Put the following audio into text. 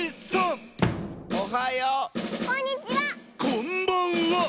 「こんばんは！」